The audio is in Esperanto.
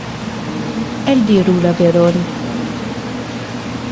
Eldiru la veron.